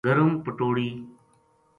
گرم پٹوڑی